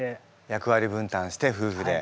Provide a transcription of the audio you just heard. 役割分担してふうふで。